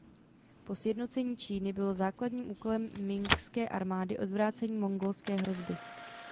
Po sjednocení Číny bylo základním úkolem mingské armády odvrácení mongolské hrozby.